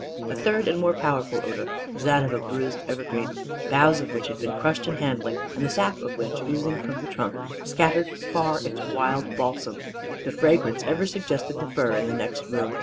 A third and more powerful odor was that of a bruised evergreen, boughs of which had been crushed in handling, and the sap of which, oozing from the trunk, scattered far its wild balsam: the fragrance ever suggested the fir in the next room.